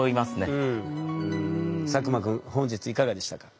作間くん本日いかがでしたか？